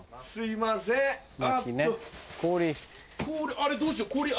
あれどうしよう。